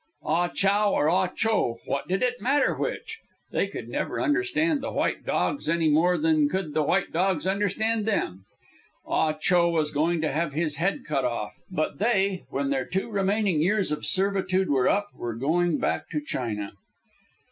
Ah Chow or Ah Cho what did it matter which? They could never understand the white dogs any more than could the white dogs understand them. Ah Cho was going to have his head cut off, but they, when their two remaining years of servitude were up, were going back to China.